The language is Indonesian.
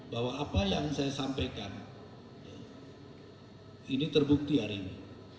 bahwa apa yang saya sampaikan ini terbukti hari ini